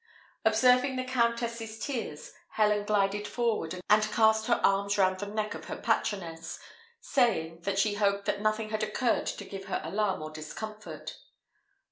Observing the Countess's tears, Helen glided forward, and cast her arms round the neck of her patroness, saying, that she hoped that nothing had occurred to give her alarm or discomfort.